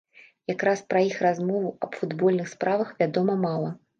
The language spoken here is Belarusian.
Якраз пра іх размову аб футбольных справах вядома мала.